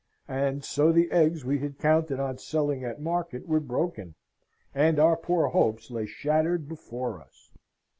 And so the eggs we had counted on selling at market were broken, and our poor hopes lay shattered before us!